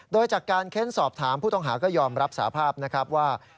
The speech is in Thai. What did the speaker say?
โดยจากการเค้นสอบถามผู้ต้องหาก็ยอมรับสาภาพนะครับว่า